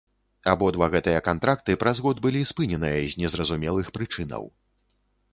Абодва гэтыя кантракты праз год былі спыненыя з незразумелых прычынаў.